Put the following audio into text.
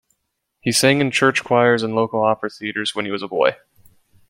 He sang in church choirs and local opera theaters when he was a boy.